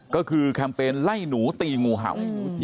ก็คือแคมเปญไล่หนูตีงูเห่า